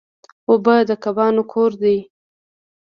اوبه د کبانو کور دی.